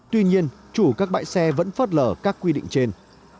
tuy nhiên chủ các bãi xe vẫn phớt lờ các quy định trên